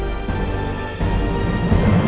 aku akan selalu mencintai kamu